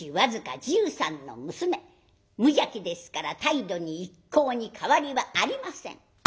無邪気ですから態度に一向に変わりはありません。